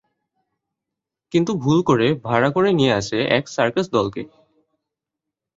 কিন্তু ভুল করে ভাড়া করে নিয়ে আসে এক সার্কাস দলকে।